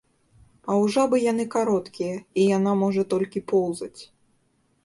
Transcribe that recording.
А ў жабы яны кароткія і яна можа толькі поўзаць.